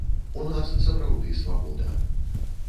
У нас сапраўды свабода.